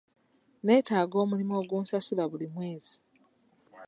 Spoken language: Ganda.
Nneetaaga omulimu ogunsasula buli mwezi.